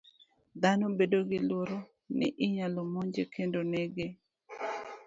Dhano bedo gi luoro ni inyalo monje kendo nege.